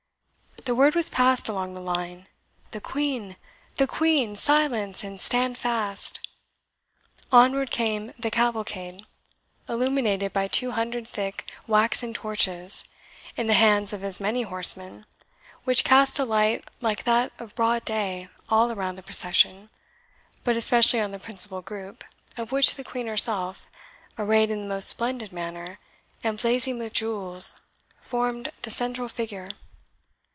The word was passed along the line, "The Queen! The Queen! Silence, and stand fast!" Onward came the cavalcade, illuminated by two hundred thick waxen torches, in the hands of as many horsemen, which cast a light like that of broad day all around the procession, but especially on the principal group, of which the Queen herself, arrayed in the most splendid manner, and blazing with jewels, formed the central figure.